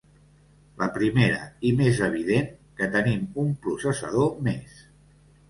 La primera i més evident: que tenim un processador més.